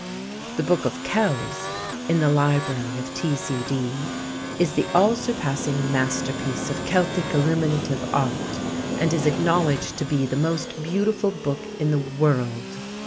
_The Book of Kells _(in the Library of T.C.D.) is the all surpassing masterpiece of Celtic illuminative art and is acknowledged to be the most beautiful book in the world.